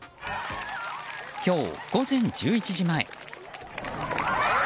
今日、午前１１時前。